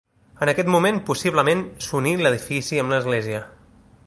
En aquest moment possiblement s'uní l'edifici amb l'església.